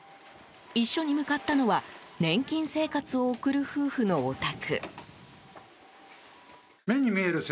一緒に向かったのは年金生活を送る夫婦のお宅。